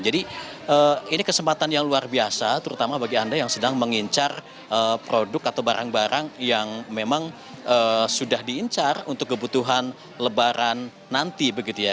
jadi ini kesempatan yang luar biasa terutama bagi anda yang sedang mengincar produk atau barang barang yang memang sudah diincar untuk kebutuhan lebaran nanti begitu ya